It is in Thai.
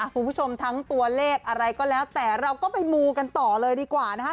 คุณผู้ชมทั้งตัวเลขอะไรก็แล้วแต่เราก็ไปมูกันต่อเลยดีกว่านะคะ